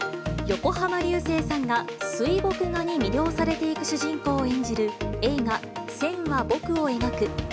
横浜流星さんが水墨画に魅了されていく主人公を演じる映画、線は、僕を描く。